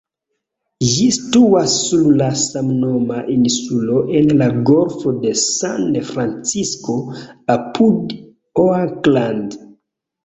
Ĝi situas sur la samnoma insulo en la Golfo de San-Francisko apud Oakland.